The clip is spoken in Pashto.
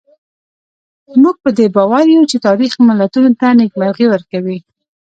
موږ په دې باور یو چې تاریخ ملتونو ته نېکمرغي ورکوي.